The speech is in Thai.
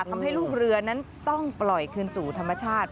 ทำให้ลูกเรือนั้นต้องปล่อยคืนสู่ธรรมชาติ